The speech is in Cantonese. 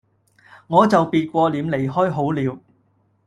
我就別過臉離開好了